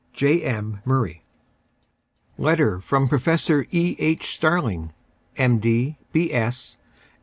J. M. MURRAY. Letter' from Professor E. H. Starling, M.